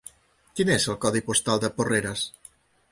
Quin és el codi postal de Porreres?